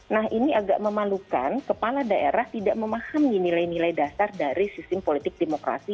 nah ini agak memalukan kepala daerah tidak memahami nilai nilai dasar dari sistem politik demokrasi